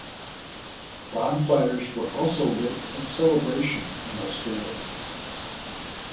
Bonfires were also lit in celebration in Australia.